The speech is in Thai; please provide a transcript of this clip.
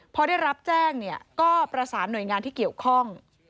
พอได้รับแจ้งเนี่ยก็ประสานหน่วยงานที่เกี่ยวข้อง